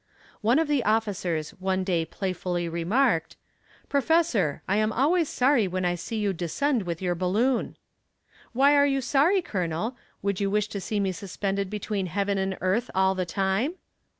One of the officers one day playfully remarked: "Professor, I am always sorry when I see you descend with your balloon." "Why are you sorry, Colonel? Would you wish to see me suspended between heaven and earth all the time?"